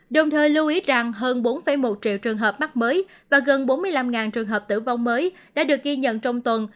đồng thời lưu ý rằng hơn bốn một triệu trường hợp mắc mới và gần bốn mươi năm trường hợp tử vong mới đã được ghi nhận trong tuần